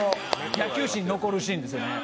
野球史に残るシーンですよね。